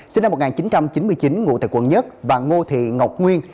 sinh năm một nghìn chín trăm chín mươi chín ngụ tại quận một và ngô thị ngọc nguyên